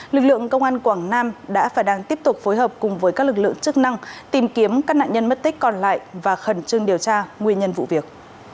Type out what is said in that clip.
lực lượng công an quảng nam đã và đang tiếp tục phối hợp cùng với các lực lượng chức năng tìm kiếm các nạn nhân mất tích còn lại và khẩn trương điều tra nguyên nhân vụ việc